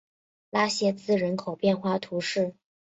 拉谢兹人口变化图示